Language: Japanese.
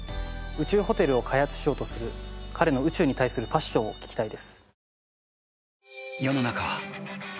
宇宙ホテルを開発しようとする彼の宇宙に対するパッションを聞きたいです。